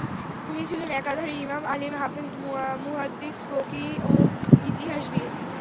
তিনি ছিলেন একাধারে ইমাম, আলিম, হাফিজ, মুহাদ্দিস, ফকীহ ও ইতিহাসবিদ।